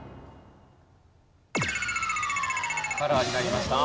カラーになりました。